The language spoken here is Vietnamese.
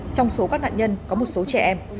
trong số các nạn nhân có một số trẻ em